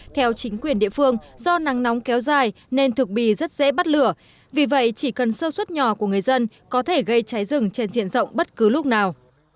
theo chính quyền địa phương do nắng nóng kéo dài nên thực bì rất dễ bắt lửa vì vậy chỉ cần sơ suất nhỏ của người dân có thể gây cháy rừng trên diện rộng bất cứ lúc nào